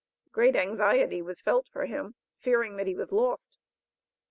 Great anxiety was felt for him, fearing that he was lost.